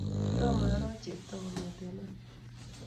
Tomaro Cheptoo kong'ete amut